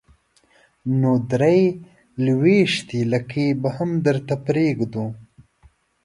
نو درې لوېشتې لکۍ به هم درته پرېږدو.